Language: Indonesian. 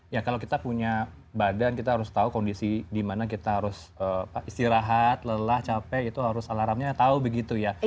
ya kalau kita punya badan kita harus tahu kondisi di mana kita harus istirahat lelah capek itu harus alarmnya tahu begitu ya